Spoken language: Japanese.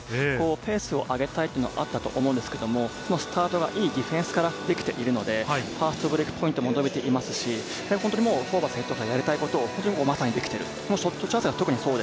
ペースを上げたいというのはあったと思いますけど、スタートがいいディフェンスからできているので、ファストブレイクポイントも取れていますし、ホーバスＨＣがやりたいことができている。